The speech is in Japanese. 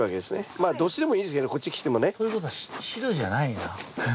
まあどっちでもいいですけどこっち切ってもね。ということは白じゃないな。